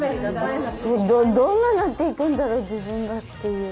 どんななっていくんだろう自分がっていう。